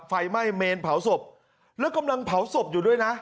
ไฟไหม้เมนเผาศพแล้วกำลังเผาศพอยู่ด้วยนะ